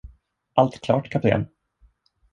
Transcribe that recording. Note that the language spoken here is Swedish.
Allt klart, kapten!